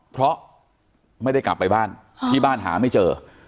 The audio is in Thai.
เพราะไม่ได้กลับไปบ้านที่บ้านหาไม่เจอ